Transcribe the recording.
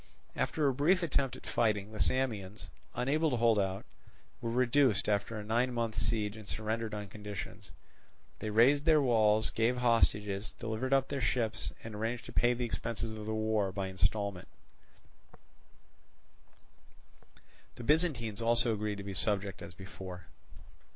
After a brief attempt at fighting, the Samians, unable to hold out, were reduced after a nine months' siege and surrendered on conditions; they razed their walls, gave hostages, delivered up their ships, and arranged to pay the expenses of the war by instalments. The Byzantines also agreed to be subject as before.